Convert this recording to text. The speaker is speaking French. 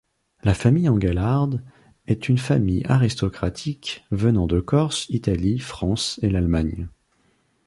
La famille Engelhard est une famille aristocratique venant de Corse, Italie, France et l’Allemagne.